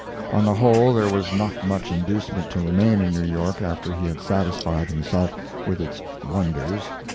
On the whole, there was not much inducement to remain in New York after he had satisfied himself with its wonders.